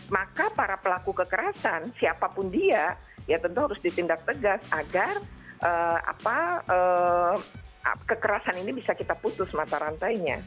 maka para pelaku kekerasan siapapun dia ya tentu harus ditindak tegas agar kekerasan ini bisa kita putus mata rantainya